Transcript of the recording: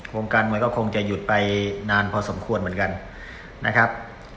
วงการมวยก็คงจะหยุดไปนานพอสมควรเหมือนกันนะครับ